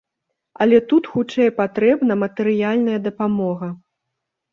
Але тут хутчэй патрэбна матэрыяльная дапамога.